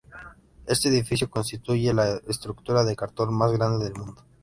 Este edificio constituye la estructura de cartón más grande del mundo.